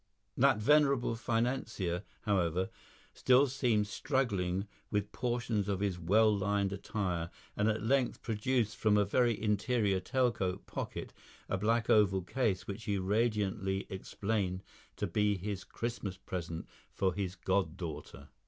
That venerable financier, however, still seemed struggling with portions of his well lined attire, and at length produced from a very interior tail coat pocket, a black oval case which he radiantly explained to be his Christmas present for his god daughter.